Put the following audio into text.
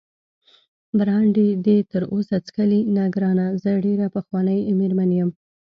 برانډي دې تراوسه څښلی؟ نه ګرانه، زه ډېره پخوانۍ مېرمن یم.